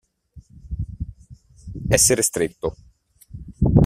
Essere stretto.